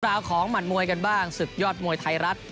ราวของหมัดมวยกันบ้างศึกยอดมวยไทยรัฐ